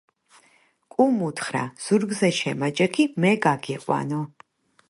კუმ უთხრა: - ზურგზე შემაჯექი, მე გაგიყვანო!